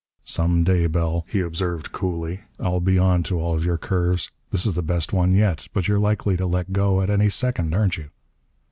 "Some day, Bell," he observed coolly, "I'll be on to all of your curves. This is the best one yet. But you're likely to let go at any second, aren't you?"